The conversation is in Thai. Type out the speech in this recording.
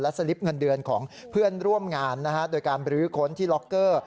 สลิปเงินเดือนของเพื่อนร่วมงานโดยการบรื้อค้นที่ล็อกเกอร์